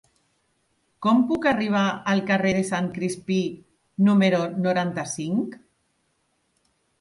Com puc arribar al carrer de Sant Crispí número noranta-cinc?